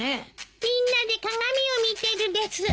みんなで鏡を見てるです。